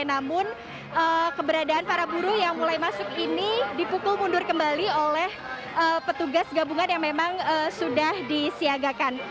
namun keberadaan para buruh yang mulai masuk ini dipukul mundur kembali oleh petugas gabungan yang memang sudah disiagakan